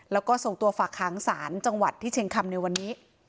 แล้วก็ส่งตัวฝากค้างศาลจังหวัดที่เชียงคำในวันนี้